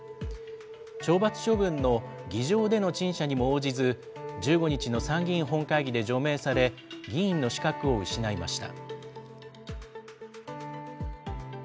懲罰処分の議場での陳謝にも応じず、１５日の参議院本会議で除名され、議員の資格を失いました。